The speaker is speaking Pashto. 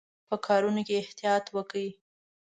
په کارولو کې یې احتیاط وکړي.